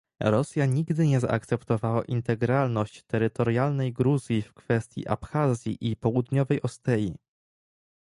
Rosja nigdy nie zaakceptowała integralność terytorialnej Gruzji w kwestii Abchazji i Południowej Osetii